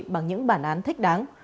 bằng những bản án thích đáng